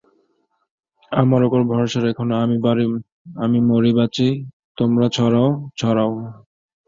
আমার উপর ভরসা রেখো না, আমি মরি বাঁচি, তোমরা ছড়াও, ছড়াও।